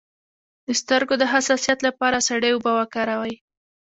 د سترګو د حساسیت لپاره سړې اوبه وکاروئ